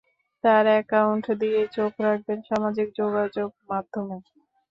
তাঁর অ্যাকাউন্ট দিয়েই চোখ রাখবেন সামাজিক যোগাযোগমাধ্যমে।